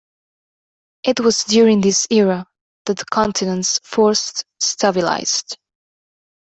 It was during this era that the continents first stabilized.